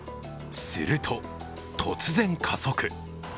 すると突然加速。